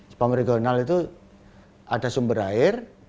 spam regional itu ada sumber air